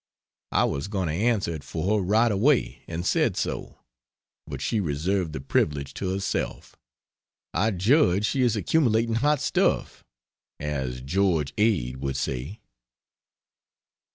I was going to answer it for her right away, and said so; but she reserved the privilege to herself. I judge she is accumulating Hot Stuff as George Ade would say....